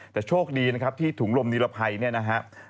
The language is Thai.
แต่โชคดีนะครับที่ถุงลมนิรภัยเนี่ยนะครับ